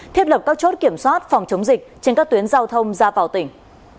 thiết lập các chốt kiểm soát phòng chống dịch trên các tuyến giao thông ra vào tỉnh